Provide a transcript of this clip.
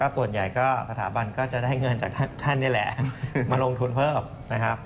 ส่วนใหญ่ก็สถาบันก็จะได้เงินจากท่านนี่แหละมาลงทุนเพิ่มนะครับ